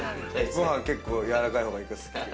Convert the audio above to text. ご飯結構やわらかい方がいい